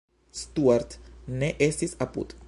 Stuart ne estis apud.